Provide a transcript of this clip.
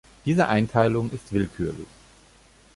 Diese Einteilung ist willkürlich.